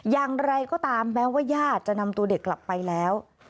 อย่างไรก็ตามแม้ว่าญาติจะนำตัวเด็กกลับไปแล้ว